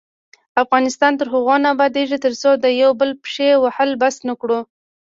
افغانستان تر هغو نه ابادیږي، ترڅو د یو بل پښې وهل بس نکړو.